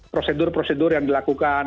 prosedur prosedur yang dilakukan